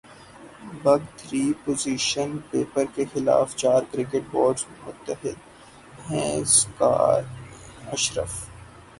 big three position paper کے خلاف چار کرکٹ بورڈز متحد ہیںذکا اشرف